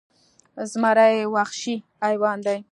زمری وخشي حیوان دې